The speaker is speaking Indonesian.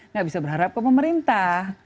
nggak bisa berharap ke pemerintah